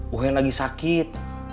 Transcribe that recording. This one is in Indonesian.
woh yang lagi sakit